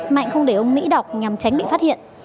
mạnh không để ông mỹ đọc nhằm tránh bị phát hiện